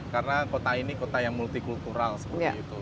karena kota ini kota yang multi kultural seperti itu